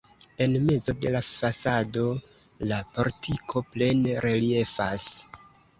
En mezo de la fasado la portiko plene reliefas.